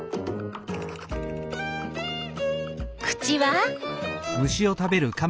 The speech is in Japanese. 口は？